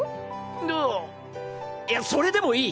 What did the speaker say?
ああいやそれでもいい！